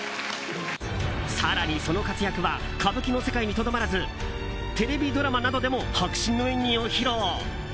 更に、その活躍は歌舞伎の世界にとどまらずテレビドラマなどでも迫真の演技を披露。